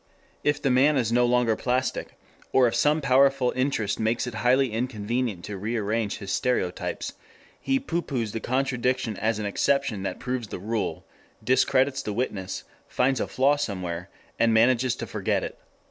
If the man is no longer plastic, or if some powerful interest makes it highly inconvenient to rearrange his stereotypes, he pooh poohs the contradiction as an exception that proves the rule, discredits the witness, finds a flaw somewhere, and manages to forget it.